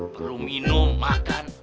perlu minum makan